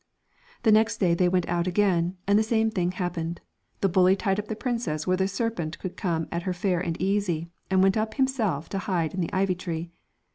The next day they went out again, and the same thing happened, the bully tied up the princess where the serpent could come at her fair and easy, and went up himself to hide in the ivy tree.